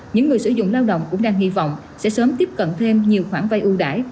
những người sử dụng lao động cũng đang hy vọng sẽ sớm tiếp cận thêm nhiều khoản vay ưu đại